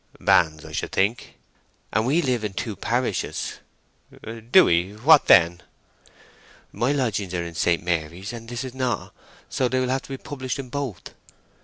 "Banns, I should think." "And we live in two parishes." "Do we? What then?" "My lodgings are in St. Mary's, and this is not. So they will have to be published in both."